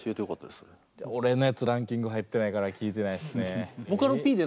俺のやつランキング入ってないから聴いてないっすね。